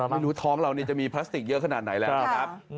ไม่รู้ท้องเราจะมีพลาสติกเยอะขนาดไหนแล้วนะครับ